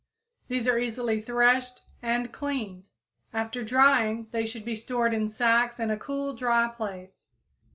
These are easily threshed and cleaned. After drying they should be stored in sacks in a cool, dry place.